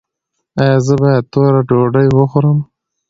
ایا زه باید توره ډوډۍ وخورم؟